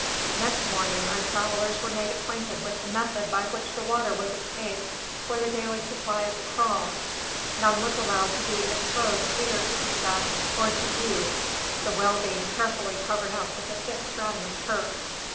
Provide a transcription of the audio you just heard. Next morning our travellers were made acquainted with the method by which the water was obtained for the daily supply of the kraal. None was allowed to be exposed either to the sun or to view, the well being carefully covered up with a thick stratum of turf.